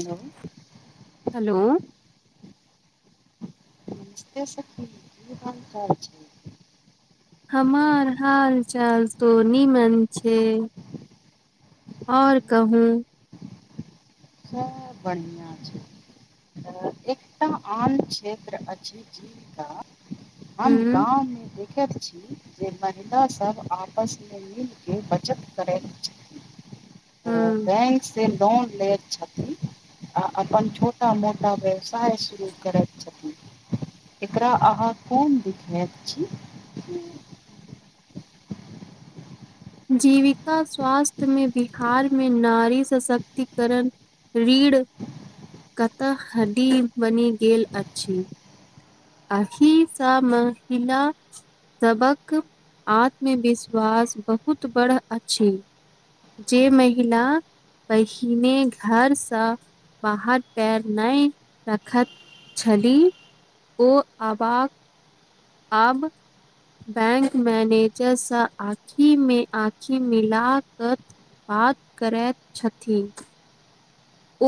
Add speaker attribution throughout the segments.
Speaker 1: Hello
Speaker 2: hello.
Speaker 1: बस छै [unintelligible]
Speaker 2: हमर हाल चाल तो नीमन छै। ओर कहू।
Speaker 1: सभ बढ़िआ छै एकटा आन क्षेत्र अछि जीनका हम
Speaker 2: हूं
Speaker 1: गाव मे दे देख छी जे महिला सभ आपस मे मील के बचत करैत छथि अ
Speaker 2: हूं
Speaker 1: बैक से लोन लैत छथिन अपन छोटा मोटा व्यवसाय शुरू करैत छथिन। एकरा अहाँ कोन देखैत छै ह
Speaker 2: जीविका स्वास्थ्य मे बिहारमे नारी सशक्तिकरण रीढ़ कतडी बनि गेल अछि। अही सा महिला। सभ केँ आत्मविश्वास बहुत बड़ अछि। जे महिला। पहिने घर से बाहर पैर नहि रखत छली ओ अवा कऽ आब। बैक मैनेजरसँ आखि मे आँखि मिलाकत बात करैत छथिन।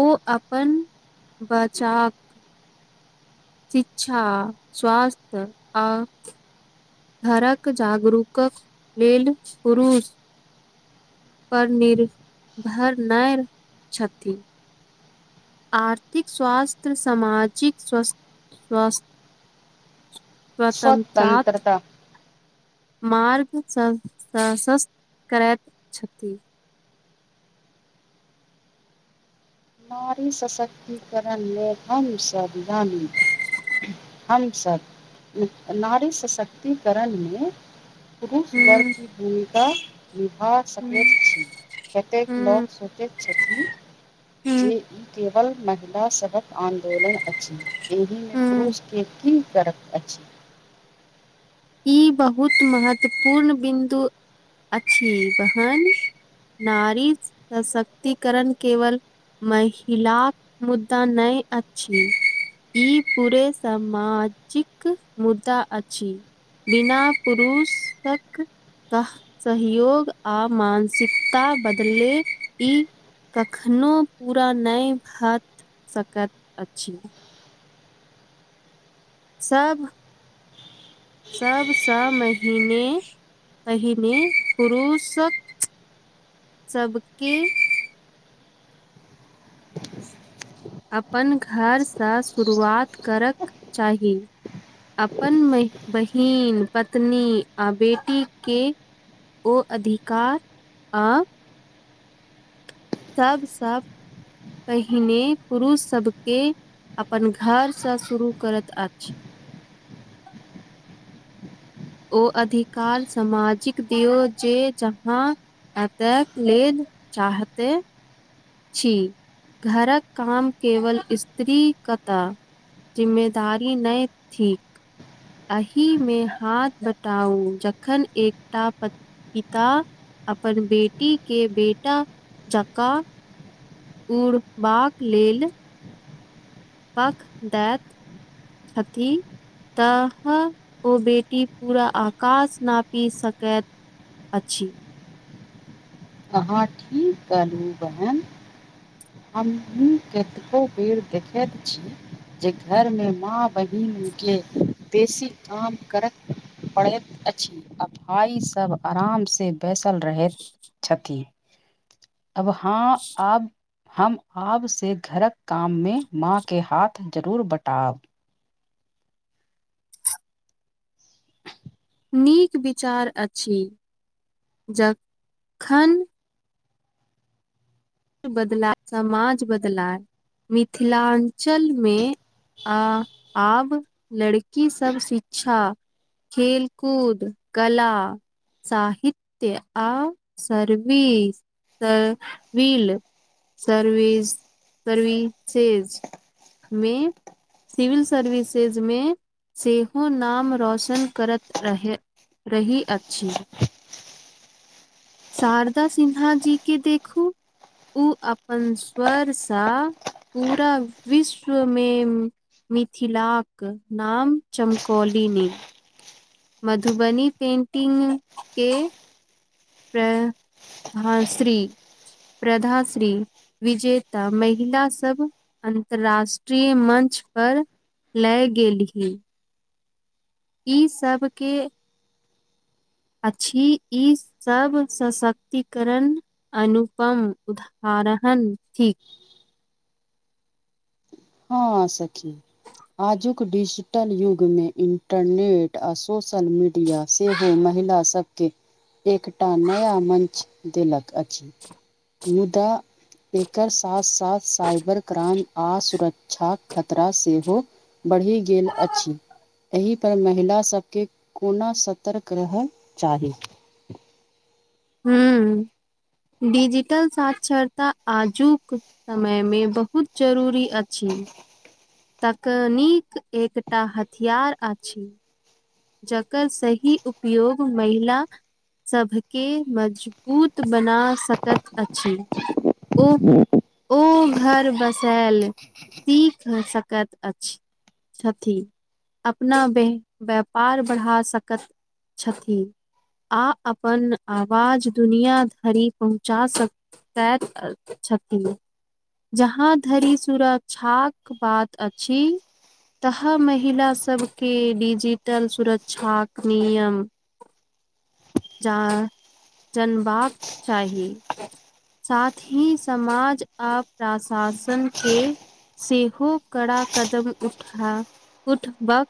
Speaker 2: ओ अपन बच्चा शिक्षा स्वस्थ आ घर कऽ जागरूक लेलऽ पुरुष पर नै निर्भर नहि छथि आर्थिक स्वास्थ्य सामाजिक स्वस स्वस्थ स्वतंत्रात
Speaker 1: स्वतंत्रता
Speaker 2: मार्गसँ सशस्त करैत छथि
Speaker 1: हमारी सशक्तिकरण मे हमस विधानी हम सभ नारी सशक्तिकरण मे पुरुष वर्ग की भूमिका निभा सकैत छी। कतेक लोक सोचैत छथिन जे ई केवल महिला सभक आन्दोलन अछि एहिमे पुरुषके की करबै
Speaker 2: ई बहुत महत्वपूर्ण बिन्दु अछि बहन नारी सशक्तिकरण केवल महिलाक मुद्दा नहि अछि ई पूरे सामाजिक मुद्दा अछि बिना पुरुषक सहयोग आ मानसिकता बदले ई कखनो पूरा नहि भा सकत अछि सब सबसँ महीने कहिने पुरुषक सबके अपन घरसँ शुरुआत करक चाहि अपन बहिन पत्नी आ बेटी के ओ अधिकार आब सबसँ पहिने पुरुष सबके अपन घर से शुरू करत अछि ओ अधिकार सामाजिक दऔ जे जहाँ एतक लेल चाहते छी घरक काम केवल स्त्री करत जिम्मेदारी नहि थिक अहि मे हाथ बटाउ जखन एकटा पिता अपन बेटी के बेटा जका उड़बाक लेल पख दैत हथी तह ओ बेटी पूरा आकाश नापी सकैत अच्छ
Speaker 1: अहाँ ठीक कहलिये बहन हमहि कतेको बेर देखैत छीये जे घरमे माँ बहिन बेसी काम करत पढ़ैत अछि भाइ सब आराम से बैसल रहैत
Speaker 2: [unintelligible]
Speaker 1: छति ह अब हँ आब हम आबसे घरक काममे माँके हाथ जरूर बँटाब
Speaker 2: नीक विचार अछि जखन बदला समाज बदलाय मिथिलाञ्चलमे आ आब लड़की सब शिक्षा खेलकूद कला साहित्य आ सर्वी से वील सर्विस सर्विसेज मे सिविल सर्विसेजमे सेहो नाम रौशन करत रहैत रही अछि शारदा सिन्हा जी के देखू ओ अपन स्वरसँ पूरा विश्वमे मिथिलाक नाम चमकौलिन मधुबनी पेंटिंग केँ प्र [inaudible] श्री [inaudible] प्रधा श्री विजेता महिला सब अन्तर्राष्ट्रीय मंच पर लए गेलही ई सबके अछि इ सब सशक्तिकरण अनुपम उदरण थी
Speaker 1: हँ सखी आजुक डिजिटल युगमे इन्टरनेट आ सोशल मड डिया से हो महिला सब केँ एकटा नया मंच देलक अछि [inaudible] मुदा एकर सास आ साइबर क्राइम आ सुर क्षा खतरा सेहो बढ़ि गेल अछि एहि पर महिला सबके कोना सर्तक रहय चाही
Speaker 2: हू [inaudible] डिजिटल साक्षरता आजुक समय मे बहुत जरूरी अछि तकनीक एकटा हथियार अछि जकर सही उपयोग महिला सबके मजबूत बना सकैत अछि ओ ओ घर बसायल [inaudible] सीख सकैत अछि छथि [inaudible] अपना बे पार बढ़ा सकैत [inaudible] छथि आ अपन आवाज दुनिआ धरि पहुँचा सक [unintelligible] जहाँ धरि सुरक्षाक बात अछि तह महिला सबके डीजी टल सुरक्षाक नियम [inaudible] जा जनबाक चाही साथ ही समाज आ प्रशासन केँ सेहो कड़ा कदम उठा उठबाक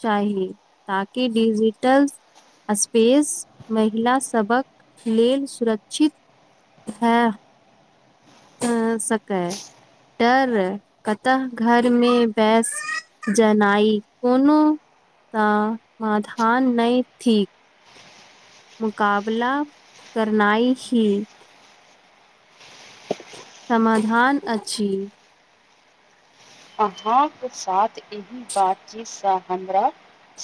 Speaker 2: चाही ताकि डिजिटल स्पेस महिला सबक लेल सुरक्षित हँ [unintelligible] सकै तै नै कतऽ घरमे बस जेनाइ कोनो तऽ माधान नहि थीक मुकाबला करनाई ही समाधान अछि
Speaker 1: अहाँ केँ साथ एहि बातचीतसँ हमरा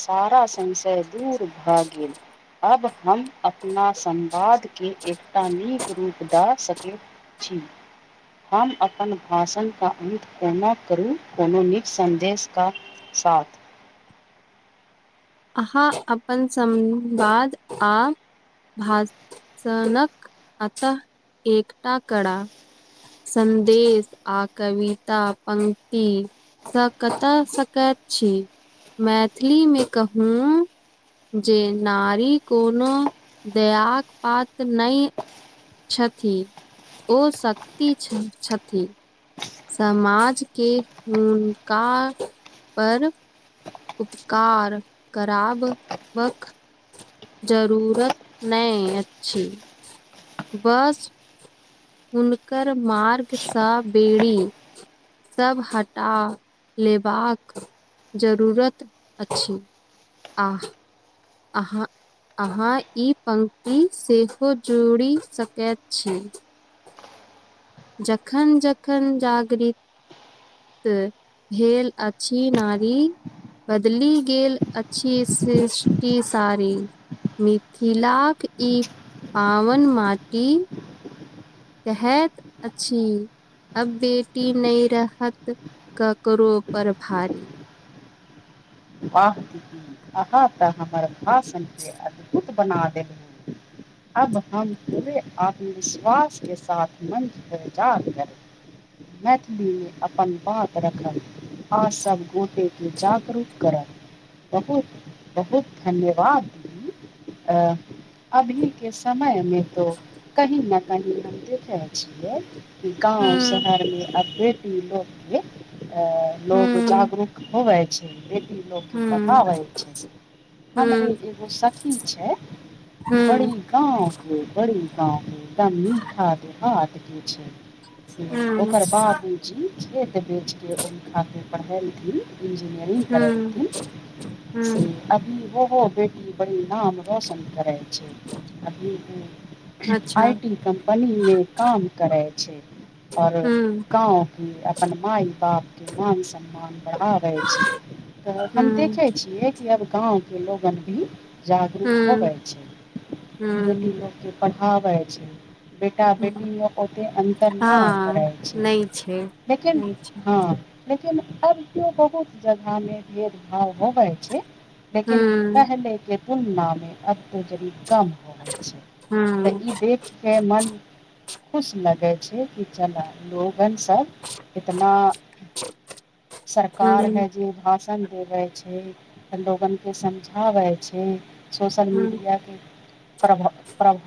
Speaker 1: सारा संशय दूर भऽ गेल अब हम अपना संवादकेँ एकटा नीक रूप दऽ सकैत छी हम अपन भाषणके अन्त कोना करू कोनो नीक सन्देश केँ साथ
Speaker 2: हँ अपन संवाद आ भासनकक अत एकटा करा सन्देश आ कविता पंक्तति। स कतय सकैत छी मैथिलीमे कहू जे नारी कोनो दयाकऽ पात नहि छथि ओ शक्त छथि। समाज के हुनका पर। उपकार खराब बक जरूरत नहि अछि बस हुनकार मार्गसँ बेड़ी सभ हटा लेबाकऽ जरूरत अछि अ अहाँ। अहा ई पंक्ति सेहो जोड़ि सकैत छी जखन जखन जागृ भेल अछि नारी। बदलि गेल अछि सृष्टि सारी मिथिला कऽ ई पावन माटि कहैत अछि। अब बेटी नहि रहत करो पर भारी
Speaker 1: अहाँ तऽ हमर भाषण के अद्भुत बना देल अब हम पे आत्मविश्वास के साथ मंच पर जा कर मैथिलीमे अपन बात रखल आ सभ गोटे के जागरू कऽ बहुत बहुत धन्यवाद। अभी के समय मे तो कही न कही हम देखिखै छियै गाव
Speaker 2: हूँ
Speaker 1: शहरमे अ बेटी लोको लोग
Speaker 2: हूँ
Speaker 1: जागरू कऽ होवए छै बेटी लोक के
Speaker 2: हूँ
Speaker 1: पठाबै छै। हमरे
Speaker 2: हूँ
Speaker 1: एगो सखी छै बड़ी।
Speaker 2: हूँ
Speaker 1: गाव के बड़े गाव के एकदम मीठा देहात के छै से
Speaker 2: हूँ
Speaker 1: ओकर बाबूजी खेत बेचके ओहि खातिर पढ़ेलथिन। इंजनियरिंग
Speaker 2: हूँ
Speaker 1: करलड़थि से।
Speaker 2: हूँ
Speaker 1: अभी वहो बेटी बड़ी नाम रोशन करै छै। भऽ
Speaker 2: अच्छा
Speaker 1: आई टी कम्पनी मे काम करै छै आऔर
Speaker 2: हूँ
Speaker 1: गाव कऽ अपन माय बाप के मान सम्मान बढ़ा रहे तऽ हम
Speaker 2: हूँ
Speaker 1: देखै छियै कि आब गाव के लोगन भी जागरू कऽ
Speaker 2: हूँ
Speaker 1: होबै छै
Speaker 2: हूँ
Speaker 1: बेटी लोक के पढ़ाबै छै। बेटा बेटी
Speaker 2: हूँ
Speaker 1: ओत अन्तर न करै
Speaker 2: हँ
Speaker 1: छै।
Speaker 2: नहि छै
Speaker 1: लेकिन
Speaker 2: नहि छै
Speaker 1: ह लेकिन अब केओ बहुत जगहमे भेदभाव होबै छै। लेकिन
Speaker 2: हूँ
Speaker 1: पहिलेके तुलनामे अब तो जदी कम होइ छै। त
Speaker 2: हूँ
Speaker 1: ई देख के मन खुश लगै छै कि जेना लोगन सभ इतना
Speaker 2: हूँ
Speaker 1: सरकार
Speaker 2: हूँ
Speaker 1: है जी। [unintelligible] समझाबै छी सोशल
Speaker 2: हूँ
Speaker 1: मीडिया के प्राभ प्रभ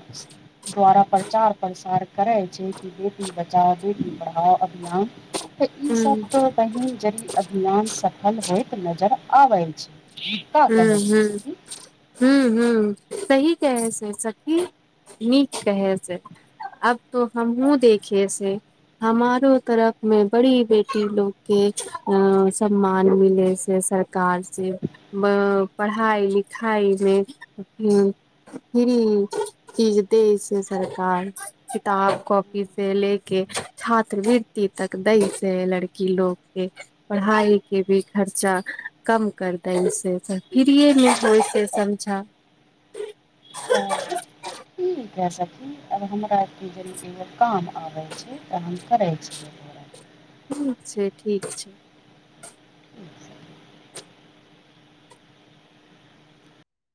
Speaker 1: द्वारा प्रचार। प्रसार करै छै कि बेटी बचाओ बेटी पढ़ाओ अभियान तऽ ई सभ
Speaker 2: हूँ
Speaker 1: तऽ पहि जरी अभियान सफल होइत नजरि आबै छै। का
Speaker 2: हु
Speaker 1: कहै
Speaker 2: हु
Speaker 1: छै सखी
Speaker 2: हु हु सही कहै छै सखी नीक कहे से आब तो हमहु देखेये छै हमारो तरफ मे बड़ी बेटी लोग के अ सम्मान मिले से कार से ब पढ़ाई लिखाई मे फ्री चीज देय छै सरकार किताब कॉपी से लेके छात्रवृति तक दै छै लड़की लोग के पढ़ाई के भी खर्चा कम कर फ्रिये मे होय छै समझा
Speaker 1: ओ ठीक हे सखि आब हमरा के भेल एगो काम आबै छै तऽ हम करै छियै तोरा
Speaker 2: ठीक छै ठीक छै
Speaker 1: ठीक छै